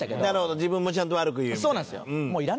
自分もちゃんと悪く言うみたいな。